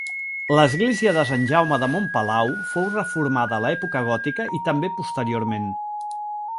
L'església de Sant Jaume de Montpalau fou reformada a l'època gòtica i també posteriorment.